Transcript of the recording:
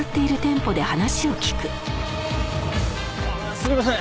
すみません。